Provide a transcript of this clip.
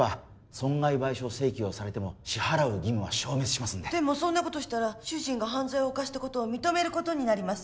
損害賠償請求をされても支払う義務は消滅しますんででもそんなことしたら主人が犯罪を犯したことを認めることになります